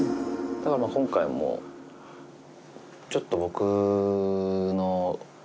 ただまぁ今回もちょっと僕の。